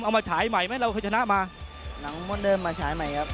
มาฉายใหม่ไหมเราเคยชนะมาหนังมดเดิมมาฉายใหม่ครับ